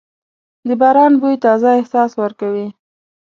د باران بوی تازه احساس ورکوي.